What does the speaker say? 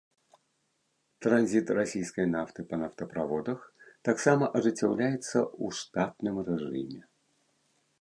Транзіт расійскай нафты па нафтаправодах таксама ажыццяўляецца ў штатным рэжыме.